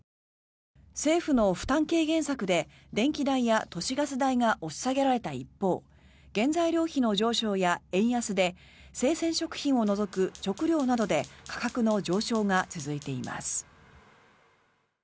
政府の負担軽減策で電気代や都市ガス代が押し下げられた一方原材料費の上昇や円安で生鮮食品を除く食料などで価格の上昇が続いています。